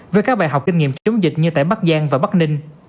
với các bài học kinh nghiệm chống dịch như tại bắc giang và bắc ninh